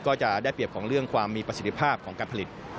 ก็จะได้เปรียบของเรื่องความมีประสิทธิภาพของการผลิต